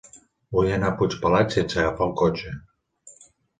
Vull anar a Puigpelat sense agafar el cotxe.